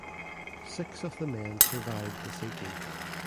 Six of the men survived the sinking.